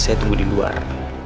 saya tunggu di luar